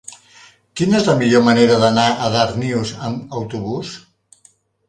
Quina és la millor manera d'anar a Darnius amb autobús?